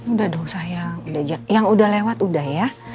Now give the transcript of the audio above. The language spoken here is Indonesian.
udah dong sayang yang udah lewat udah ya